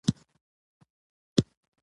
جمله په خبرو او لیک کښي کاریږي.